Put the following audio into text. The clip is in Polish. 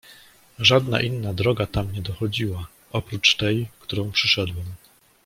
"Żadna inna droga tam nie dochodziła, oprócz tej którą przyszedłem."